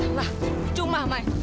alah cuman mai